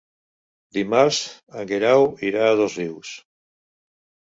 Dimarts en Guerau irà a Dosrius.